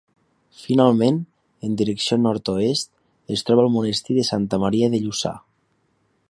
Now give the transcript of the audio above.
Finalment, en direcció nord-oest, es troba el monestir de Santa Maria de Lluçà.